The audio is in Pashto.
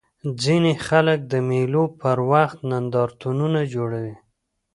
ځيني خلک د مېلو پر وخت نندارتونونه جوړوي.